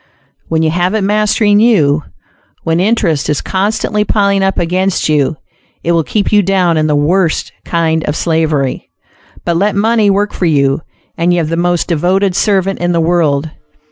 When you have it mastering you; when interest is constantly piling up against you, it will keep you down in the worst kind of slavery. But let money work for you, and you have the most devoted servant in the world.